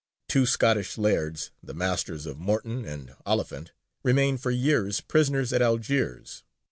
Two Scottish lairds, the Masters of Morton and Oliphant, remained for years prisoners at Algiers.